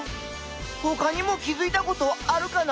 ほかにも気づいたことあるかな？